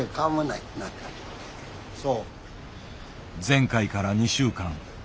前回から２週間。